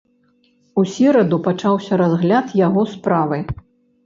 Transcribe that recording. У сераду пачаўся разгляд яго справы.